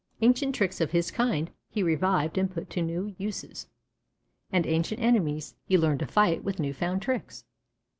Ancient tricks of his kind he revived and put to new uses, and ancient enemies he learned to fight with new found tricks.